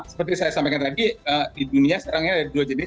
seperti saya sampaikan tadi di dunia sekarang ini ada dua jenis